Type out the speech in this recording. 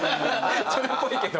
それっぽいけど。